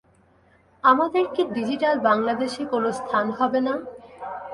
আমাদের কি ডিজিটাল বাংলাদেশে কোনো স্থান হবে না?